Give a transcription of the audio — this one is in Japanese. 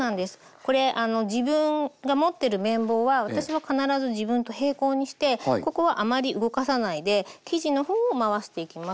これ自分が持ってる麺棒は私は必ず自分と平行にしてここはあまり動かさないで生地の方を回していきます。